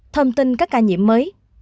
thông tin các ca nhiễm mới